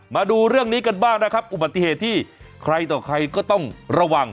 มาดูเรื่องนี้กันบ้างนะครับอุบัติเหตุที่ใครต่อใครก็ต้องระวัง